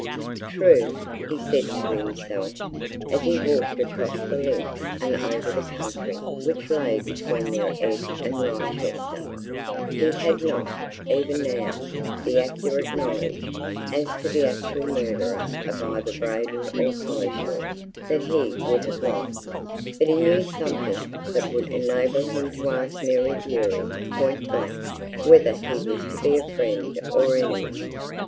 True, he said to himself, as he walked across the links and over the country which lay between their edge and Wrychester, he had not, even now, the accurate knowledge as to the actual murderer of either Braden or Collishaw that he would have liked, but he knew something that would enable him to ask Mary Bewery point blank whether he was to be friend or enemy.